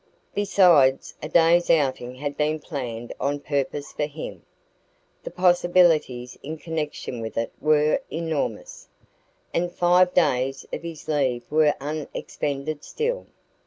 Besides, a day's outing had been planned on purpose for him; the possibilities in connection with it were enormous; and five days of his leave were unexpended still.